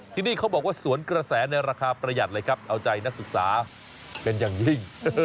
ที่นี่เขาบอกว่าสวนกระแสในราคาประหยัดเลยครับเอาใจนักศึกษาเป็นอย่างยิ่ง